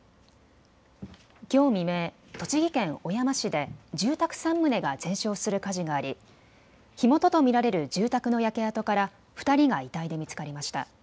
きょう未明、栃木県小山市で住宅３棟が全焼する火事があり火元と見られる住宅の焼け跡から２人が遺体で見つかりました。